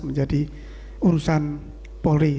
menjadi urusan polri